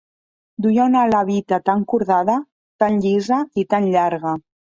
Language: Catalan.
Duia una levita tant cordada, tant llisa i tant llarga